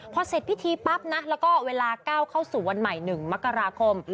พอเสร็จพิธีปั๊บนะแล้วก็เวลาก้าวเข้าสู่วันใหม่๑มกราคม